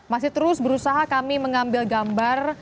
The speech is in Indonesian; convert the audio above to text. masih terus berusaha kami mengambil gambar